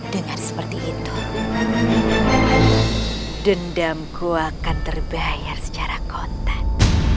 dengan seperti itu dendamku akan terbayar secara konten